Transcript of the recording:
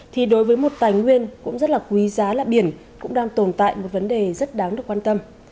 thì đối với một tài nguyên cũng rất là quý giá là biển cũng đang tồn tại một vấn đề rất đáng được quan tâm